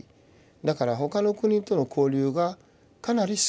だから他の国との交流がかなり少ない。